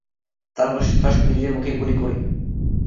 তারপর সে ঠাস করে ঠিক নিজের মুখে গুলি করে!